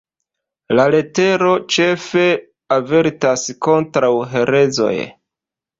La letero ĉefe avertas kontraŭ herezoj.